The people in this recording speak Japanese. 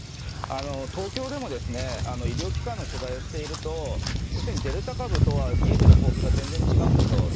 東京でも医療機関の取材をしているとデルタ株とは見えてる構図が全然違うんだと。